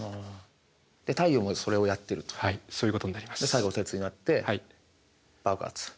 最後鉄になって爆発？